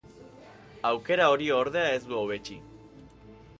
Aukera hori ordea ez du hobetsi.